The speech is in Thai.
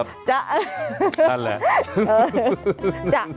นั่นแหละ